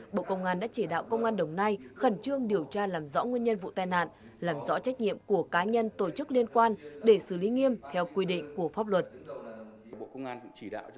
bộ công an đã chỉ đạo công an đồng nai khẩn trương điều tra làm rõ nguyên nhân vụ tai nạn làm rõ trách nhiệm của cá nhân tổ chức liên quan để xử lý nghiêm theo quy định của pháp luật